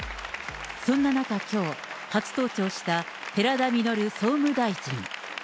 そんな中きょう、初登庁した寺田稔総務大臣。